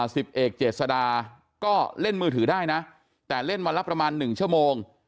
สิบเอกเจษดาก็เล่นมือถือได้นะแต่เล่นวันละประมาณหนึ่งชั่วโมง